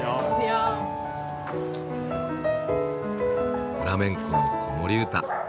フラメンコの子守歌。